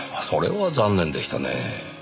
それは残念でしたねぇ。